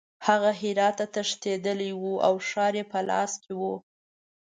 هغه هرات ته تښتېدلی وو او ښار یې په لاس کې وو.